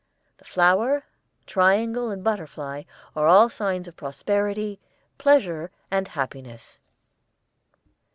The flower, triangle, and butterfly are all signs of prosperity, pleasure and happiness.